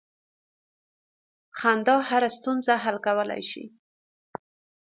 • خندا هره ستونزه حل کولی شي.